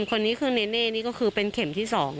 คนนี้คือเนเน่นี่ก็คือเป็นเข็มที่๒